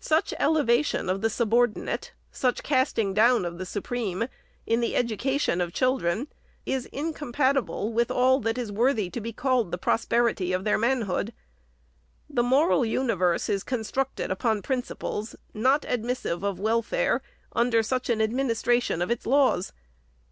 Such eteva tion of the subordinate, such casting down of the supreme, in the education of children, is incompatible with all that is worthy to be called the prosperity of their manhood. The moral universe is constructed upon principles, not admissive of welfare under such an administration of its laws.